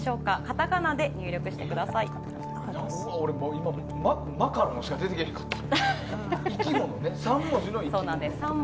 今、マカロンしか出てけえへんかった。